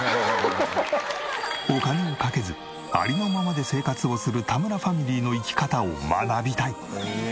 お金をかけずありのままで生活をする田村ファミリーの生き方を学びたい。